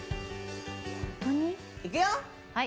いくよ！